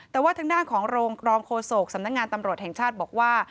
แต่ว่าทางด้านของรองโฆษกสำนักงานตำรวจแห่งชาติบอกว่า